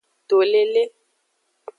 To lele.